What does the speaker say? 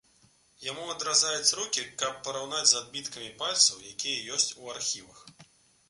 Яму адразаюць рукі, каб параўнаць з адбіткамі пальцаў, якія ёсць у архівах.